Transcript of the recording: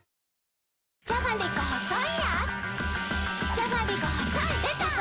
じゃがりこ細いやーつ